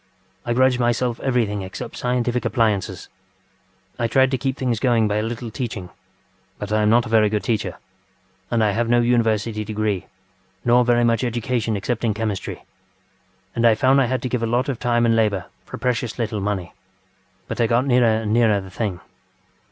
I grudged myself everything except scientific appliances. I tried to keep things going by a little teaching, but I am not a very good teacher, and I have no university degree, nor very much education except in chemistry, and I found I had to give a lot of time and labour for precious little money. But I got nearer and nearer the thing.